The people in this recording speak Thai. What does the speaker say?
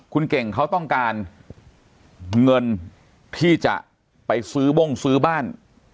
คุณเก่งเขาต้องการเงินที่จะไปซื้อบ้งซื้อบ้าน